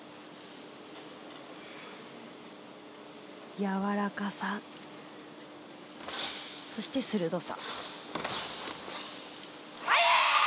やわらかさ、そして鋭さ。